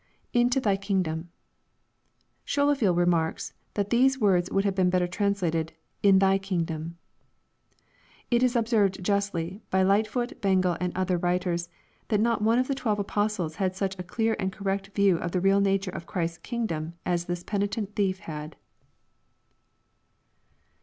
[Into thy kingdom.] Scholefield remarks, that these words would have been better translated, " in thy kingdom." It is observed justly, by Lightfoot, Bengel, and other writers, that not one of the twelve apostles had such a clear aad correct view of the real nature of Christ's "kingdom" as this penitent thief had.